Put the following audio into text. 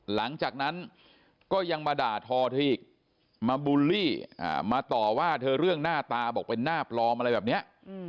หลังจากนั้นก็ยังมาด่าทอเธออีกมาบูลลี่มาต่อว่าเธอเรื่องหน้าตาบอกเป็นหน้าปลอมอะไรแบบนี้